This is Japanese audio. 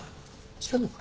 知らんのか。